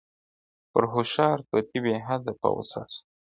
پر هوښار طوطي بې حده په غوسه سو؛